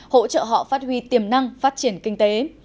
hỗ trợ họ phát huy tiềm năng phát triển kinh tế